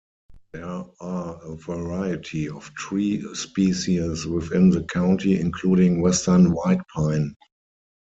There are a variety of tree species within the county including Western White Pine.